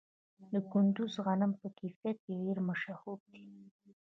د کندز غنم په کیفیت کې ډیر مشهور دي.